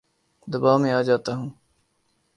دباو میں آ جاتا ہوں